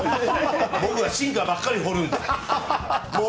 僕はシンカーばっかりなので。